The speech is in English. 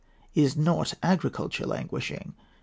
Is not agriculture languishing?